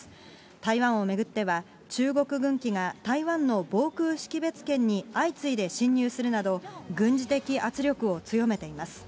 台湾を巡っては、中国軍機が台湾の防空識別圏に相次いで進入するなど、軍事的圧力を強めています。